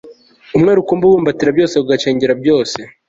umwe rukumbi, ubumbatira byose, ugacengera byose